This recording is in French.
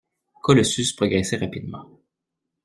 Colossus progressait rapidement